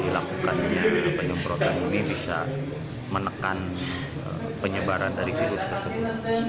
dilakukannya penyemprotan ini bisa menekan penyebaran dari virus tersebut